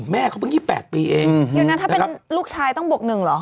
แม่เขาเพิ่ง๒๘ปีเองอย่างนั้นถ้าเป็นลูกชายต้องบวก๑เหรอ